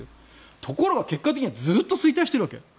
ところが結果的にはずっと衰退しているわけ。